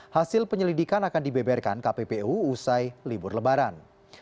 hasil penyelidikan akan dibeberkan kppu usai libur lebaran